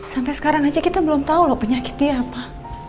sampai sekarang aja kita belum tahu loh penyakitnya apa